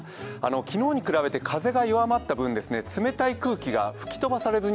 昨日に比べて風が弱まった分、冷たい空気が吹き飛ばされずに